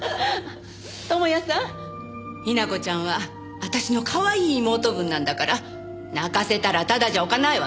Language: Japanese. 友哉さん雛子ちゃんは私のかわいい妹分なんだから泣かせたらただじゃおかないわよ。